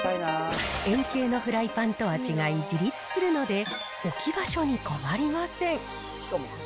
円形のフライパンとは違い、自立するので、置き場所に困りません。